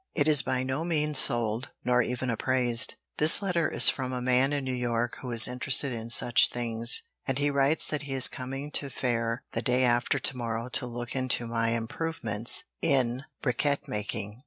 "It is by no means sold, nor even appraised. This letter is from a man in New York who is interested in such things, and he writes that he is coming to Fayre the day after to morrow to look into my improvements in bricquette making.